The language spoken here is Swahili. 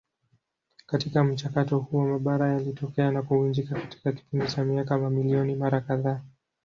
Katika mchakato huo mabara yalitokea na kuvunjika katika kipindi cha miaka mamilioni mara kadhaa.